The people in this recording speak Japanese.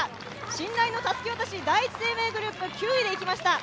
信頼のたすき渡し、第一生命グループ、９位でいきました。